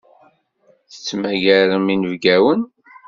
Tettmagarem inebgawen.